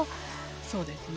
そうですね。